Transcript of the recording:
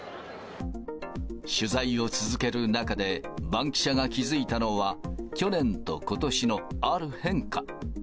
取材を続ける中で、バンキシャが気付いたのは、去年とことしのある変化。